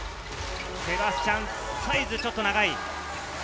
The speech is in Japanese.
セバスチャン・サイズ、ちょっと長い。